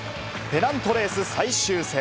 ペナントレース最終戦。